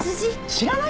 知らないの？